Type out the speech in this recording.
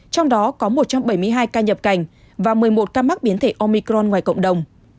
trong đó có một trăm bảy mươi hai ca nhập cảnh và một mươi một ca mắc biến thể omicron ngoài cộng đồng